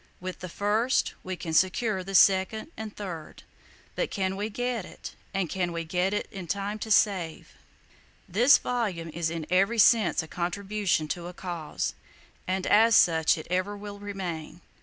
With the first, we can secure the second and third. But can we get it,—and get it in time to save? This volume is in every sense a contribution to a Cause; and as such it ever will remain.